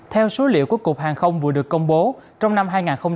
theo số liệu của cục hàng không vừa được công bố trong năm hai nghìn hai mươi ba